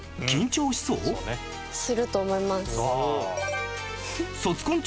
すると思います。